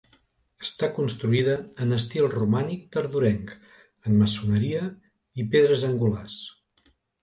Està construïda en estil romànic tardorenc, en maçoneria i pedres angulars.